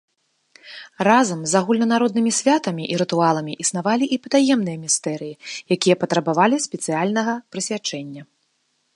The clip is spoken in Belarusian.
Разам з агульнанароднымі святамі і рытуаламі існавалі і патаемныя містэрыі, якія патрабавалі спецыяльнага прысвячэння.